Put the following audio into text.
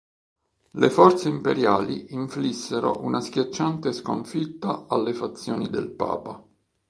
Le forze imperiali inflissero una schiacciante sconfitta alle fazioni del papa.